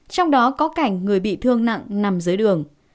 trong đó có cảnh người bị thương nặng nằm dưới đường